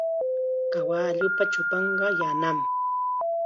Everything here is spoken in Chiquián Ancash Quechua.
Kawalluupa chupanqa yanam.